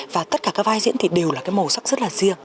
và tất cả các vai diễn thì đều là cái màu sắc rất là riêng